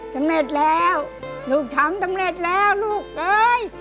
สำเร็จแล้วลูกทำสำเร็จแล้วลูกเอ้ย